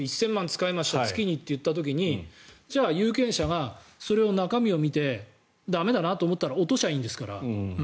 使いましたと月にと言った時にじゃあ有権者がそれの中身を見て駄目だなと思ったら落とせばいいんですから。